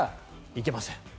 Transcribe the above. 行けません。